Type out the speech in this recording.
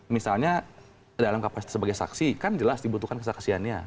misalnya dalam kapasitas sebagai saksi kan jelas dibutuhkan kesaksiannya